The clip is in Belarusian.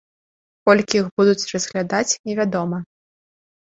Колькі іх будуць разглядаць, невядома.